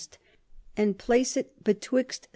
and place it betwixt S.